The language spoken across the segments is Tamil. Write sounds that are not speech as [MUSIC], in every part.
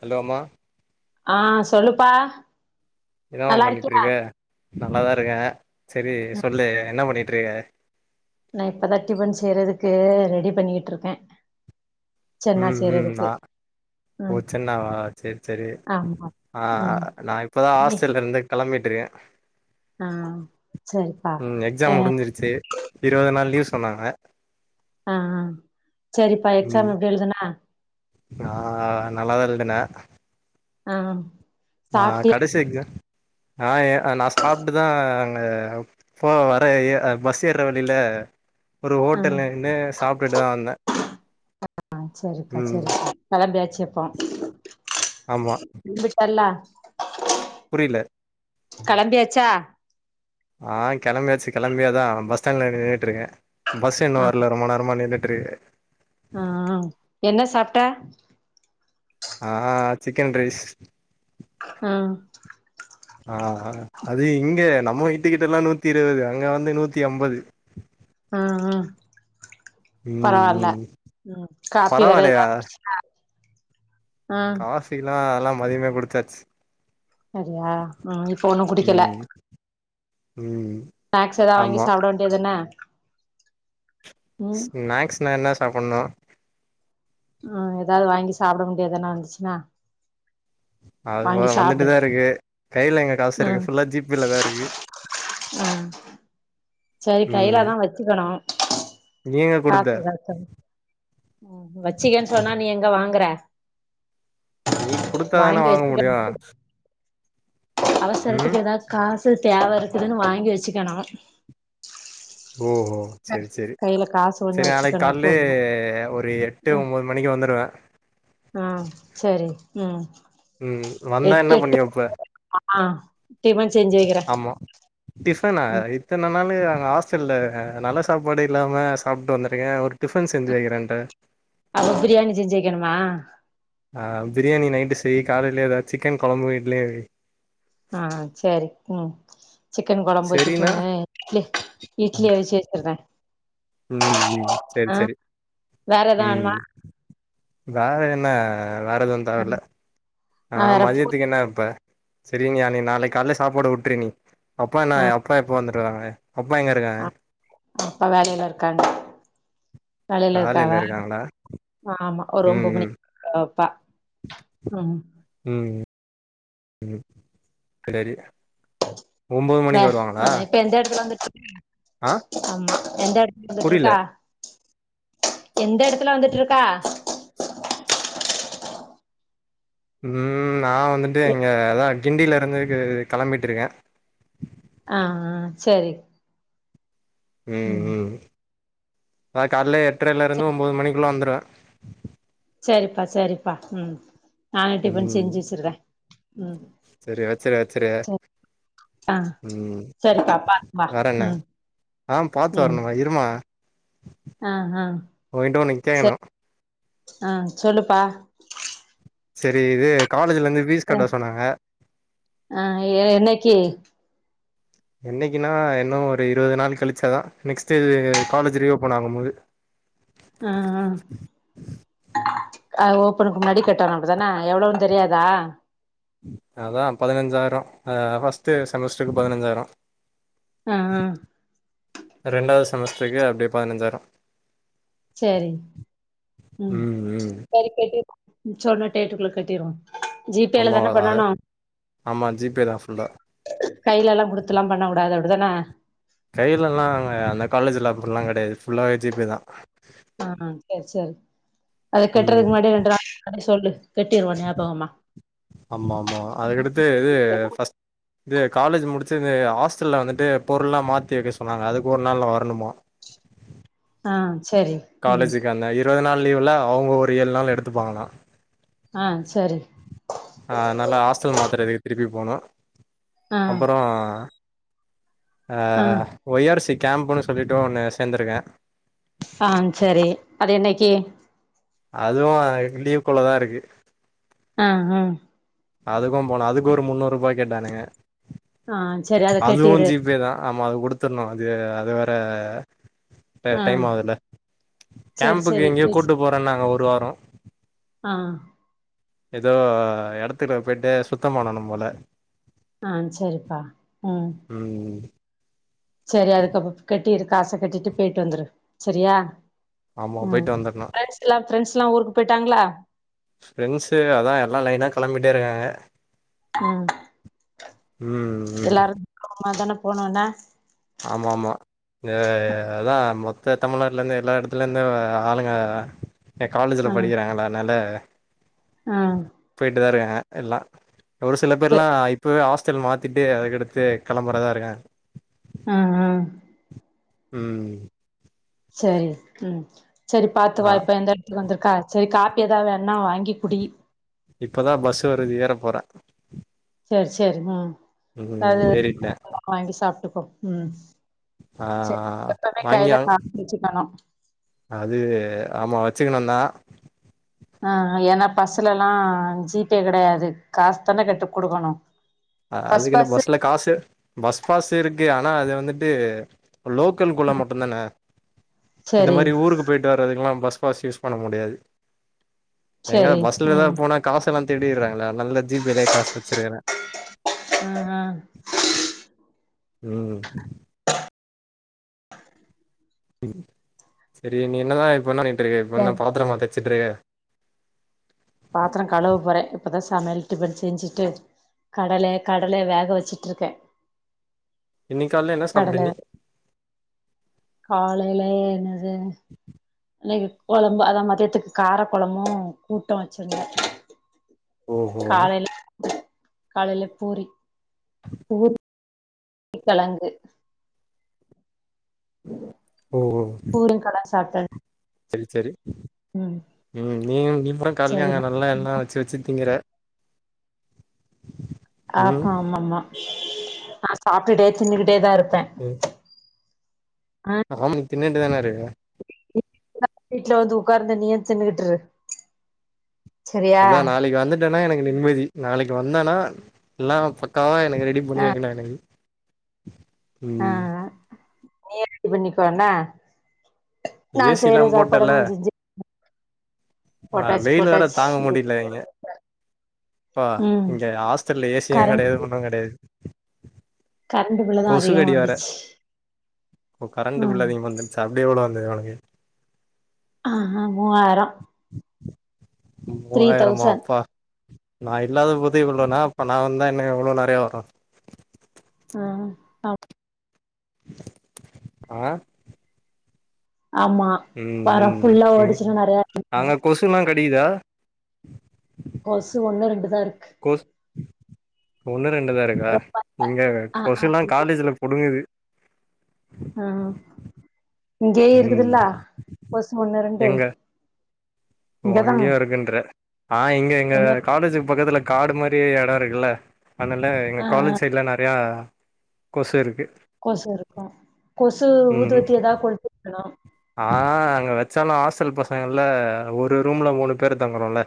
ஹலோ அம்மா ஆஹ் சொல்லுப்பா நல்லா என்னமாபண்ணிட்டு இருக்கியா இருக்க நல்லாதான் இருக்கேன் சரி சொல்லு என்ன பண்ணிட்டுருக்க க்கு ரெடி பண்ணிட்டு இருக்கே சென்னா ம் ம் நா செய்றதுக்கு ஓ சென்னாவா சரி சரி ஆமா ம் ஆஹ் நான் இப்பதான் ஏ, ஹாஸ்டல்ல இருந்துக்கம் கிளம்பிட்டுருக்கே ஆ சரிப்பா உம் அ எக்ஸாம் முடிஞ்சிருச்சு இருவது நாள் லீவ்சொ சொன்னாங்க ஆஹ்ஹ் சரிப்பா ம் எக்ஸாம் எப்டி எழுதுனா நா நல்லாதான் எழ்துனே ஆஹ் ஆஹ் கடைசிஎங்க ஆஹ் நான் சாப்பிட்டுதான் அங்க போ வர பஸ் ஏற வழியில ஒரு ஆ ஹோட்டல்லநின்னு சாப்பிட்டுட்டுதான் வந்தே ஆஹ் சரிக்கா ம் சரிக்கா கிளம்பியாச்சு அப்போ ஆமா விழுந்துட்டாளா புரியல கிளம்பியாச்சா ஆஹ் கிளம்பியாச்சு கிளம்பியாதான் பஸ் ஸ்டாண்ட்ல நின்றுட்டுக்கன் பஸ் இன்னும் வரல ரொம்ப நேரமா நின்னு ட்ருகே ஆஹ் என்ன சாப்பிட்ட ஆஹ் சிக்கன் ரைஸ் ஆ ஆஹ் அது இங்கே நம்ம வீட்டுக்கிட்ட எல்லாம் நூத்தி இருபது அங்க வந்து நூத்தி அம்பது ஆஹ் ஆஹ். ம் பரவாயில்ல ம் உம் காப்பி வேற பரவாயில்லையா எதாவது குடிச்சீங்களா காபிலா அதல்லாம் மதியமே குடுச்சாச்சு அப்டியா உம் இப்ப ஒண்ணும் குடிக்கல ம் ம். ஸ்நாக்ஸ் எதாவ வாங்கி சாப்பிட வேண்டியது தான ஸ்நாக்ஸ்ன என்ன சாப்பிட்ணும் உஹம் ஏதாவது வாங்கி சாப்பிட வேண்டியதானே வந்துச்சுன்னா அது வ வாங்கி சாப்டு வந்துட்டுதா இருக்கு கையில எங்க காசு இருக்கு ம் ஃபுல்லா ஜி பி ல தாருக்கு [INAUDIBLE] ம் சரி கையில தா வெச்சுக்கணு நீங்க குடுத்த ம் வெச்சக்கன் சொன்னா நீ எங்க வாங்கற நீ குடுத்தாதான வாங் முடியு ம் அவசரத்துக்கு எதாச்சு காசு தேவ இருக்குதுனு வாங்கி வெச்சுக்கணு ஓஹோ செரி செரி கொஞ்சோ செரி நாளைக் வச்சுக்கணு கால்லியே எப்பவுமே ஒரு எட்டு ம் ஒம்போது மணிக்கு வந்துருவே ஆ செரி ம் ம் வந்தா எட் என்னா எட்டு பண்ணி வெப்ப ஆ டிபன் செஞ்சு வெக்கிறே ஃபனா இத்தன நாலு அங்க ஹாஸ்டல்ல நல்ல சாப்பாடே இல்லாம சாப்ட்டு வந்திருக்கே ஒரு டிஃபன் செ ஞ்சு வெக்றேன்ற அப்ப பிரியாணி செஞ்சு வெக்கணுமா ஆ பிரியாணி நைட்டு செய்யி காலைல எதா சிக்கன் கொழம்பு இட்லியு வெய் ஆ சேரி ம் சிக்கன் கொழம்பு சரின்னா சிக்கனு இட்லி இட்லி அவிச்சி வெச்சர்றே ம் ம் செரி செரி வேற எது ம் வேணுமா வேற என்ன வேற எதுவு தேவயில்ல ஆ வேற பூரி மதியத்துக்கு என்னா வெப்ப செரி நீயா நீ நாளைக் கால்ல சாப்பாடு உட்று நீ அப்பா நா அப்பா எப்ப வந்துருக்காங்க அ அப்பா வேலைலருக்காங்க வேலைல இருக்காங்களா ம் ம் அப்பா ம் ம் [INAUDIBLE] ஒம்போது வெ மணிக்கு வருவாங்களா அ இப்ப எந்த எடத்துல வந்துட்டு ஆ ஆமா எந்த எடத்துல புரில வந்துட்ருக்க எந்த எடத்துல வந்துட்ருக்க ம் நா வந்துட்டு எ இங்க அதா கிண்டிலருந்து கு கெளம்பிட்ருகே ஆஹ செரி ம் ம் அ கால்ல சே எட்ரைலிருந்து ஒம்போது மணிக்குள்ள வந்த றே செரிப்பா செரிப்பா ம் நானே டிஃபன் ம் செஞ்சு வெச்சிடுதே செரி வெச்சுறு வெச்சுறு ஆ ம் சேரிப்பா பாத்து வா வேறென்ன ம் ஆ பாத்து வரணுமா இருமா அ அ தேங்குணு ஆ சொல்லுப்பா செரி இது காலேஜ்லந்து ஃபீஸ் ஆ கட்ட சொன்னாங்க ஆ என்னைக்கு என்னைக்கினா இன்னு ஒரு இருவது நாள் கழிச்சாதா நெக்ஸ்ட்டு இது காலேஜு ரீஓப்பன் ஆகம்போது ம் ம் அ ஓப்பனுக்கு முன்னாடி கட்டணு அப்டிதான எவ்ளவுன் தெரியாதா அதா பதினெஞ்சாய்ரோ ஆ ஃபஸ்ட்டு செமஸ்ட்ருக்கு பதினெஞ்சாய்ரோ அ அ ரெண்டாவ்து செமஸ்ட்ருக்கு அப்டே பதினெஞ்சாய்ரோ செரி ம் செரி கட்டி [INAUDIBLE] சொன்ன டேட்டுக்குள்ல கட்டிறுவோ அம்மா அ அத ஆம்மா ஜி பே தா ஃபுல்லா கையிலல்லா குடுத்துலா பண்ண கூடாது அப்டுதான கையில எல்லா அங்க அந்த காலேஜ்ல அப்படி எல்லாங் கெடையாது ஃபுல்லாவே ஜி பே தா சேரி சேரி அத கட்டுறதுக்கு முன்னாடியே ரெண்டு நாளைக்கு முன்னாடியே சொல்லு கட்டிருவோ ஞாபகமா ஆமாமா அதுக்கடுத்து இது ஃபர்ஸ் இது காலேஜ் முடிச்சொன்னே ஹாஸ்டல்ல வந்துட்டு பொருள்ல்லா மாத்தி வெக்க சொன்னாங்க அதுக்கு ஒரு நாள் நா வரணுமா [INAUDIBLE] ஆ சரி ம் காலேஜுக்கு அந்த இருவது நாள் லீவ் எல்லாஅவுங்க ஒரு ஏழு நாள் எடுத்துப்பாங்லா ஆ சரி ஆ நல்லா ஹாஸ்டல் மாத்தரதுக்கு திருப்பி போனு ஆ அப்புறோ ஆ ஒய் ஆர் சி கேம்ப்ன்னு சொல்லிட்டு ஒன்னு சேர்ந்திருக்கே ஆ சரி அது என்னைக்கு அதுவு லீவ்க்குள்ளதா இருக்கு ஆ ம் அதுக்கும் போனு அதுக்கு ஒரு முன்னூறு ரூபாய் கேட்டானுங்க ஆ செரி அத அதுவு கட்டிரு ஜி பே தா ஆமா அது குடுத்துர்ணு அது அது வேற டை ஆ டைம் ஆகுதுல்ல சரி கேம்புக்கு சரி எங்கேயோ கூட்டு போறனாங்க ஒரு வாரோ ஆ எதோ எடத்துகுள்ள போய்ட்டு சுத்தம் பண்ணனும் போல ஆ சரிப்பா ம் ம் சரி அதுக்கப்போ கட்டிரு காச கட்டிட்டு போயிட்டு வந்துரு சரியா ஆமா ம் போயிட்டு வந்துர்ணு ஃப்ரெண்ட்ஸ்லா ஃப்ரெண்ட்ஸ்லா ஊருக்கு போயிட்டாங்களா ஃப்ரெண்ட்ஸு அதா எல்லா லைனா கெளம்பிட்டே இருக்காங்க ம் ம் ம் போண ஒண்ண ஆமாமா இத அதா மொத்த தமிழ்நாட்டுலந்து எல்லா எடத்துல இந்து ஆளுங்க என் காலேஜில ம் படிக்கிறாங்கள்ள அதனால ம் போயிட்டுதா இருக்க எல்லா ஒரு சில பேர்ல்லா சரி இப்பவே ஆஸ் டல் மாத்திட்டு அதுகடுத்து கெளம்பறதா இருக்க ஹ் ஹ ம் சரி ம் சரி பாத்து வா ஆ இப்ப எந்த எடத்துக்கு வந்திருக்கா சரி காப்பி எதாவது வே ண்ணா வாங்கி குடி இப்பதா பஸ்ஸு வருது ஏற போற சரி ம் அது ஏறிட்டே வாங்கி சாப்டுக்கோ ம் ஆ சரி எப்பமே வாங்கி கையில காசு வெச்சுக்கணு அது ஆமா வெச்சுக்கணுந்தா ஆ ஏனா பஸ்ல எல்லா ஜி பே கெடையாது காசு தானே கட்டு குடுக்கணு அ பஸ் அதுக்குன்னு பாசு பஸ்ல காசு பஸ் பாசு இருக்கு ஆனா அது வந்துட்டு லோக்கல் குள்ள மட்டுந்தான இப்ப இந்த சரி மாரி ஊருக்கு போயிட்டு வர்றதுக்கெல்லாம் பஸ் பாஸ் யூஸ் பண்ண முடியாது எங்க சரி ம் பஸ்லலாம் போனா காசெல்லா திருடிறாங்களே அதனாலதா ஜீ பேலயே காசு வெச்சிருக்கிறே ஹ் ஹ் ம் சரி நீ என்னதா இப்ப பண்ணிட்டு இருக்க இப்ப என்ன சரி பாத்திரமா தே தேச்சுட்டு இருக்கே பாத்திரோ களுவ போற இப்பதா சமையல் டிஃபன் செஞ்சிட்டு கடல கடல வேக வெச்சுட்டு இருக்கே இன்னிக்காள்ல என்ன சாப்ட நீ காலைல என்னது இன்னைக்கு கொழம்பு அதா மதியத்துக்கு கார கொழம்பு கூட்டு வச்சிருந்தே ஓ ஹோ மா காலைல பூரி பூரி க்கெழங்கு ஓ பூரிகெழங்கு சாப்ட்டு சரி சரி ம் நீங் நீங்கதா காலலயே அங்க சரிம்மா நல்லா எல்லா வச்சு வச்சு திங்கற ம் ஆமாமா மா நா சாப்டுட்டே தின்னுகிட்டே தா இருப்ப ம் ஆமா நீ தின்னுகிட்டே தான இருக்க வீட்ல வந்து உக்கார்ந்து நீயு தின்னுகிட்டுரு அதா நாளைக்கு வந்துட்டனா எனக்கு நிம்மதி நாளைக்கு வந்தனா எல்லா பக்காவா எனக்கு ரெடி பண்ணி ஆ வெக்கனு எனக்கு ம் கல்யாணத்த பண்ணிக்கோனா நா ஏ சி எல்லா செய்யற சாப்பாட போட்டல நா செஞ்சு ஆ போட்டாச்சு வெயில் வேற தாங்க போட்டாச்சு முடில இங்க ப்பா ம் இங்க ஹாஸ்டல்ல ஏ சி யு கரண்ட் கெடையாது ஒன்னுங்கெடையாது கரண்ட் பில்லு தா கொசு அதிகமா கடி வேற வந்துச்சு இப்ப கரண்ட் ம் பில்லு அதிகமா வந்துருச்சு அப்டியே கூட ஒனக்கு ஆ ஹ மூவாயிர மூவாயிரமா அப்பா நா இல்லாத போதே இவ்ளோனா அப்ப நா வந் தா இன்னு எவ்ளோ நெறையா வரு ஆ அ ஆ ஆமா ம் வாரோ ம் ம் ஃபுல்லா ம் ஓடுச்சுன்னா நெறையா இருக்கு அங்க கொசுலா கடிக்குதா கொசு ஒண்ணு ரெண்டுதா இரு கோஸ் ஒண்ணு ரெண்டுதா இருக்கா ரொம்ப இங்க ஆ ஆ கொசுல்லா காலேஜ்ல புடுங்குது அ இங்கேய ம் இருக்குதுல்ல கொசு ஒன்னு ரண்டு எங்க ஓ இங்கயே இருக்குன்ற ஆ இங்க எங்க ஒன்னு காலேஜுக் பக்கத்துல காடு மாரி எட இருக்குல அதனால எங்க ஆ ஆ காலேஜ் சைடுலா நெறையா கொசு இருக்கு கொசு இருக்கு கொசு ம் ஊதுவத்தி எதா கொளுத்தி வெக்கணு ஆ அங்க வச்சாலு ஹாஸ்டல் பசங்கள்ல ஒரு ரூம்ல மூணு பேர் தங்கறோல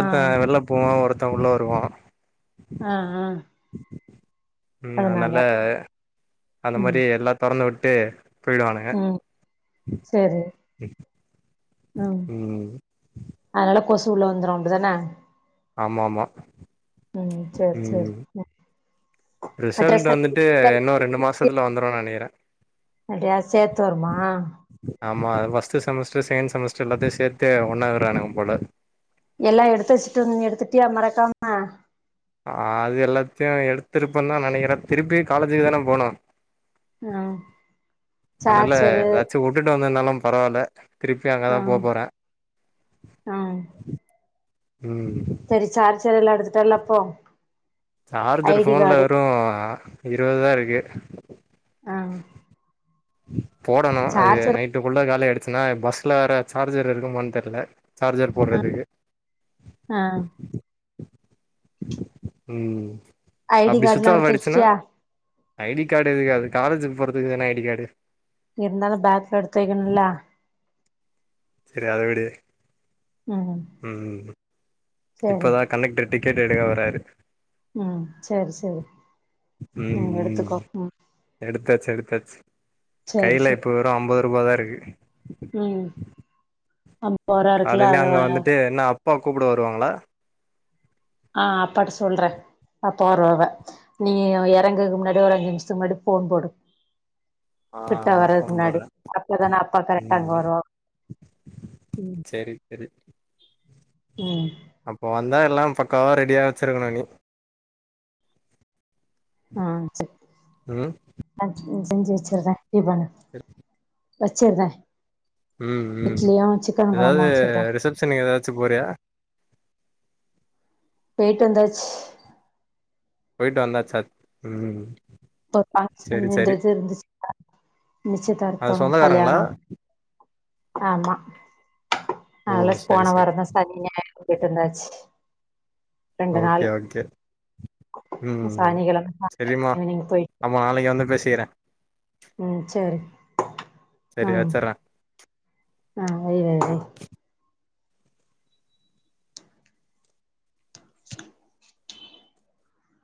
ஆ வெள்ள போவா ஒருத்த உள்ள வருவா ஆ ஆ ம் அதனால அந்த ம் மாரி எல்லா தொறந்து விட்டு போய்டுவானுக ம் சேரி ம் அதனால கொசு உள்ள வந்துரு அப்டிதான ஆமாமா ம் சேர் சேர் ரிசல்ட் வந்துட்டு இன்னு ரண்டு மாசத்துல வந்துரு நெனைக்கிறே அடியா சேத்து வருமா ஆமா ஃபஸ்டு செமஸ்டர் செகண்ட் செமஸ்டர் எல்லாத்தையு சேத்து ஒன்னா விடுறானுக போல எல்லா எடுத்து வச்ட்டு ந்த நீ எடுத்துட்டியா மறக்காம ஆ அது எல்லாத்தையு எடுத்திருப்பன் தா நெனைக்கிறே திருப்பி காலேஜுக்கு தான போனு அ அதனால எதாச்சு உட்டுட்டு வந்துருந்தாலு பரவால திருப்பி அங்க தா ஆ போ போற ஆ சரி சார்ச்சரல்லா எடுத்துட்டல்ல அப்போ சார்ஜர் ஐடி ஃபோன்ல கார்டு வெறு இருவதுதா இருக்கு ஆ போடணு அது சார்ஜர் நைட்டுக்குள்ள காலி ஆயிடுச்சுனா பஸ்ல வேற சார்ஜர் இருக்குமான் தெர்ல சார்ஜர் ஆ போடுறதுக்கு ஆ ம் ஐடி அப்படி கார்டுலா சுச்ஆஃப் எடுத்து ஆயிடுச்சினா வச்சிட்டியா ஐடி கார்டு எதுக்காது காலேஜுக்கு போறதுக்கு தானே ஐடி கார்டு இருந்தாலும் பேக்ல எடுத்து வைக்கணும்ல சரி அதவிடு ம் ம் சரி இப்பதான் கனக்ட் கேட்டு எடுக்க வராறரு ம் சரி சரி ம் ம் எடுத்துக்கோ ம் எடு எடுத்தாச்சு எடுத்தாச்சு சரி கையில சரி இப்ப வெறும் அம்பது ரூபா தா இருக்கு ம் அம்ப ரா இருக்குல காலையிலயே அத அங்க வந்துட்டு என்ன அப்பா கூப்ட வருவாங்கள ஆ அப்பாட்ட சொல்றே அப்ப வருவாவ நீ இறங்கக்கு முன்னாடி ஒரு அஞ்சு நிமிஷத்துக்கு முன்னாடி போன் போடு ஆ கிட்டா வரறது ஃபோன் முன்னாடி போடுறே அப்பதானே அப்பா கரெக்டா அங்க ம் வருவா ம் சரி சரி ம் அப்போ வந்தா எல்லா பக்காவா ரெடியா வச்சிருக்கணும் நீ ஆ சரி ம் நா செஞ்சு வச்சுற [UNINTELLIGIBLE] சரி வச்சிர ம் ம் ஏதாவது வச்சிர்றே ரிசபஷனுக்கு ஏதாச்சு போறியா போய்ட்டு வந்தாச்சு போய்ட்டு வந்தாச்சா ம் இப்ப பாக்ஸ் சரி சரி ன்னது இருந்துச்சு அது நிச்சயிதார்த்தம் சொந்தக்காரங்களா கல்யாணம் ஆமா ஓ ஆல்ல ஸ் சரி போன சரி வரந்த சனி ஞாயிறு போய்ட்டு வந்தாச்சு ரெண்டு ஓகே நாளு ஆகே ம் சனிக்கெழம சாய்ங்காலோ சரிம்மா ஈவினிங் போய் ஆமா நாளைக்கு வந்து பேசிக்கிற ம் சரி சரி ம் வச்சர்றே ஆ வை வை வை